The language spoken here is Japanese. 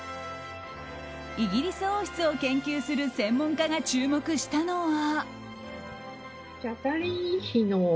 イギリス王室を研究する専門家が注目したのは。